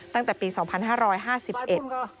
ตั้งแต่ปีสองพันห้าร้อยห้าสิบเอ็ด